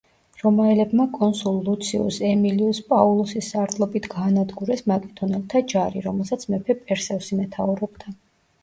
რომაელებმა კონსულ ლუციუს ემილიუს პაულუსის სარდლობით გაანადგურეს მაკედონელთა ჯარი, რომელსაც მეფე პერსევსი მეთაურობდა.